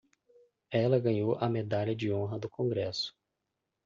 Ela ganhou a Medalha de Honra do Congresso!